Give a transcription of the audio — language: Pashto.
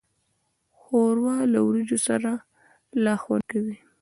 ښوروا له وریجو سره لا خوند کوي.